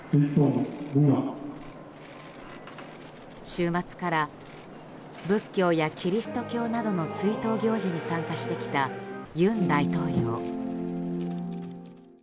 週末から仏教やキリスト教などの追悼行事に参加してきた尹大統領。